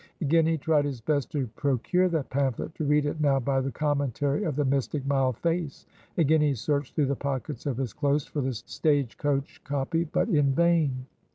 Again he tried his best to procure the pamphlet, to read it now by the commentary of the mystic mild face; again he searched through the pockets of his clothes for the stage coach copy, but in vain.